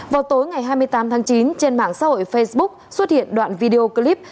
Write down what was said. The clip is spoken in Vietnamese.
vào tối ngày hai mươi tám tháng chín trên mạng xã hội facebook xuất hiện đoạn video clip